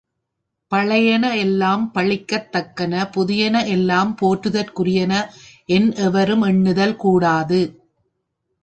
பழையன எல்லாம் பழிக்கத் தக்கன புதியன எல்லாம் போற்றற்குரியன என் எவரும் எண்ணுதல் கூடாது.